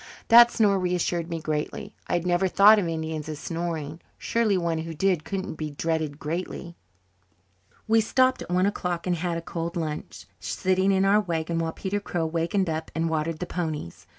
That snore reassured me greatly. I had never thought of Indians as snoring. Surely one who did couldn't be dreaded greatly. We stopped at one o'clock and had a cold lunch, sitting in our wagon, while Peter Crow wakened up and watered the ponies.